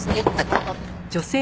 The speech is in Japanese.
あっ。